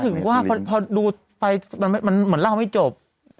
ถึงว่าพอดูไปมันเหมือนเล่าไม่จบ